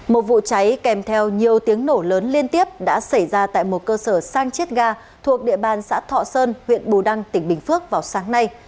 một vụ cháy kèm theo nhiều tiếng nổ lớn liên tiếp đã xảy ra tại một cơ sở sang chiết ga thuộc địa bàn xã thọ sơn huyện bù đăng tỉnh bình phước vào sáng nay